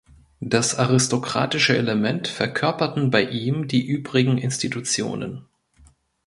Das aristokratische Element verkörperten bei ihm die übrigen Institutionen.